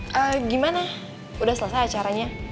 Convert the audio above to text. eh gimana udah selesai acaranya